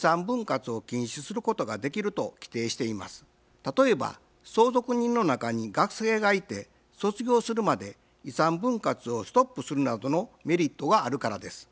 例えば相続人の中に学生がいて卒業するまで遺産分割をストップするなどのメリットがあるからです。